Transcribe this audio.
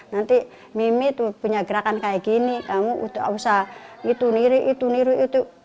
nanti mimi itu punya gerakan kayak gini kamu usah itu niru itu niru itu